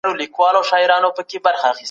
مصیبت کله ناکله رحمت وي.